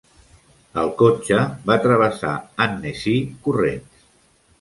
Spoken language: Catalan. El cotxe va travessar Annecy corrents.